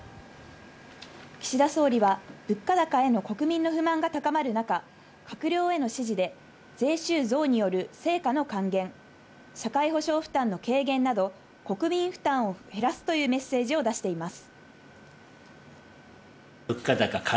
岸田総理は物価高への国民の不満が高まる中、閣僚への指示で、税収増による成果の還元、社会保障負担の軽減など国民負担を減らすというメッセージを出しています。